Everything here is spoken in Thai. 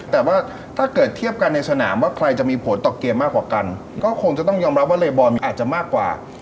แต่ว่าถ้าเกิดเทียบกันในสนามว่าใครจะมีผลต่อเกมมากกว่ากันก็คงจะต้องยอมรับว่าเลบอลอาจจะมากกว่า